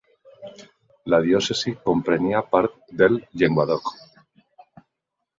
La diòcesi comprenia part del Llenguadoc.